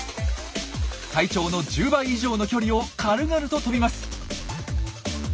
体長の１０倍以上の距離を軽々と跳びます。